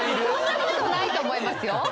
そんなことないと思いますよ。